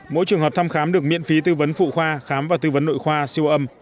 mỗi trường hợp thăm khám được miễn phí tư vấn phụ khoa khám và tư vấn nội khoa siêu âm